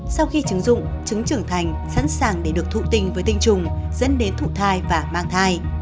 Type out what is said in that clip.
sau khi chứng dụng trứng trưởng thành sẵn sàng để được thụ tinh với tinh trùng dẫn đến thủ thai và mang thai